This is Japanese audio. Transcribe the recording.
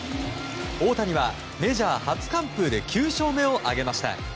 大谷はメジャー初完封で９勝目を挙げました。